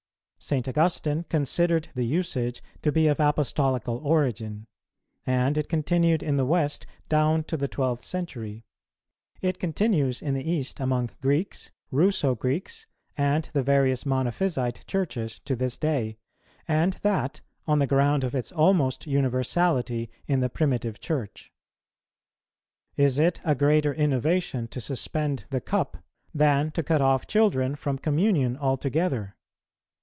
St. Augustine considered the usage to be of Apostolical origin; and it continued in the West down to the twelfth century; it continues in the East among Greeks, Russo Greeks, and the various Monophysite Churches to this day, and that on the ground of its almost universality in the primitive Church.[133:1] Is it a greater innovation to suspend the Cup, than to cut off children from Communion altogether?